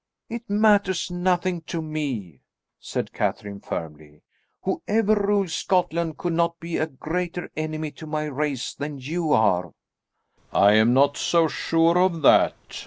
"It matters nothing to me," said Catherine firmly. "Whoever rules Scotland could not be a greater enemy to my race than you are." "I am not so sure of that.